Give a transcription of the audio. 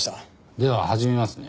では始めますね。